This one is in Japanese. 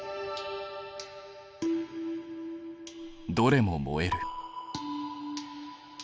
どれも燃える。